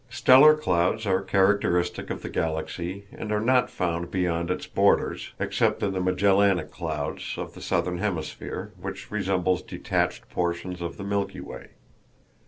Stellar clouds are characteristic of the Galaxy and are not found beyond its borders, except in the "Magellanic Clouds" of the southern hemisphere, which resemble detached portions of the Milky Way.